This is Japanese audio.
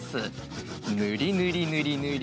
ぬりぬりぬりぬり。